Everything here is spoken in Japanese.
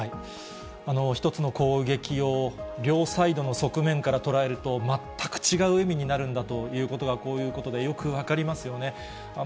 一つの攻撃を両サイドの側面から捉えると、全く違う意味になるんだということが、こういうことでよく分かりますよね。